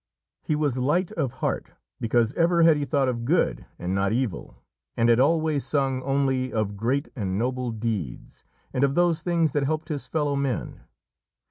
He was light of heart, because ever had he thought of good, and not evil, and had always sung only of great and noble deeds and of those things that helped his fellow men.